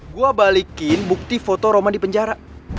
gue balikin bukti foto roman di penjara